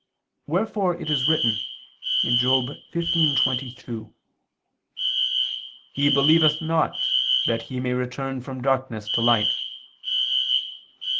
Wherefore it is written (Job 15:22): "He believeth not that he may return from darkness to light."